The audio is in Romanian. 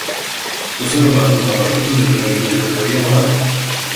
Dosarul a ajuns la parchetul de pe lângă judecătoria Oradea.